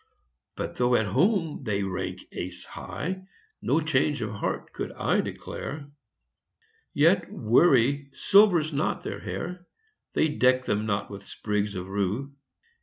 But though at home they rank ace high, No change of heart could I declare. Yet worry silvers not their hair; They deck them not with sprigs of rue.